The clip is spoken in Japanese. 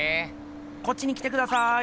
こっちに来てください。